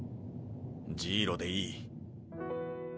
ジイロでいい。